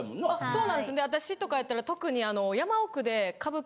そうなんです私とかやったら特に。